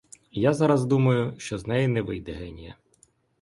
Я зараз думаю, що з неї не вийде генія.